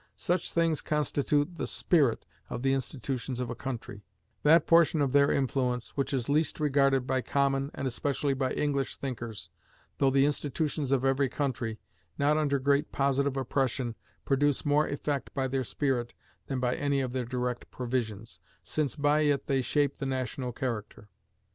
Such things constitute the spirit of the institutions of a country; that portion of their influence which is least regarded by common, and especially by English thinkers, though the institutions of every country, not under great positive oppression, produce more effect by their spirit than by any of their direct provisions, since by it they shape the national character.